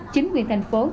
chính quyền tp hcm